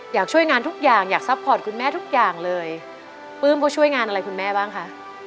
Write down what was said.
อยากช่วยงานทุกอย่างอยากซัพพอร์ตคุณแม่ทุกอย่างเลยปลื้มก็ช่วยงานอะไรคุณแม่บ้างคะ